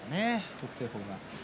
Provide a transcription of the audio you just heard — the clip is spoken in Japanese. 北青鵬が。